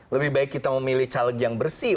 lebih baik kita memilih caleg yang bersih